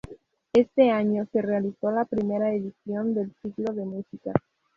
Este año se realizó la primera edición del ciclo de música.